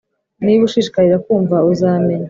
Niba ushishikarira kumva, uzamenya,